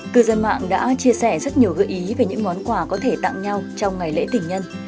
cư dân mạng đã chia sẻ rất nhiều gợi ý về những món quà có thể tặng nhau trong ngày lễ tình nhân